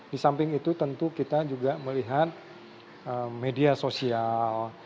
di samping itu tentu kita juga melihat media sosial